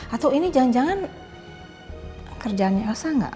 atau ini jangan jangan kerjaannya elsa gak